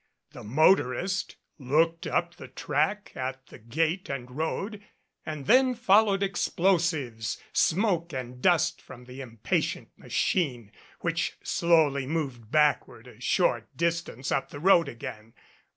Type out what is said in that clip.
The motorist looked up the track and at the gate and road, and then followed explosives, smoke and dust from the impatient machine, which slowly moved backward a short distance up the road again.